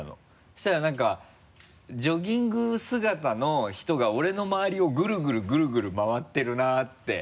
そしたらなんかジョギング姿の人が俺の周りをぐるぐるぐるぐる回ってるなって。